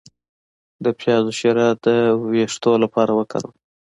د پیاز شیره د ویښتو لپاره وکاروئ